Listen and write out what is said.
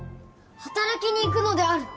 働きに行くのである！